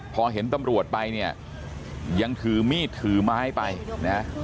พอเห็นตำรวจไปเนี่ยยังถือมีดถือไม้ไปนะ